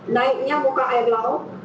naiknya buka air laut